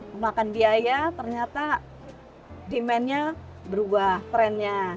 memakan biaya ternyata demand nya berubah trend nya